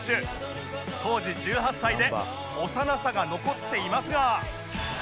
当時１８歳で幼さが残っていますが